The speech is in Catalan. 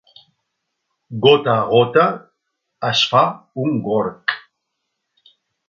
Gota a gota es fa un gorg.